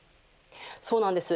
そうなんです。